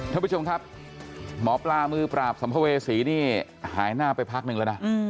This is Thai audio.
ท่านผู้ชมครับหมอปลามือปราบสัมภเวษีนี่หายหน้าไปพักหนึ่งแล้วนะ